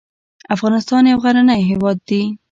افغانستان یو غرنی هېواد دې .